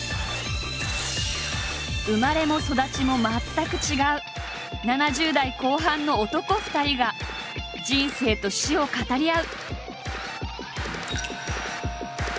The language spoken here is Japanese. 生まれも育ちも全く違う７０代後半の男２人が人生と死を語り合う。